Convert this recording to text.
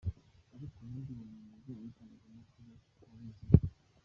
Ariko ubundi uwo mwuga w’itangazamakuru wawize he.